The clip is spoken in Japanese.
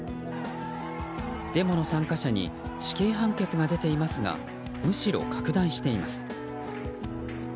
デモの参加者に死刑判決が出ていますがむしろ拡大しています。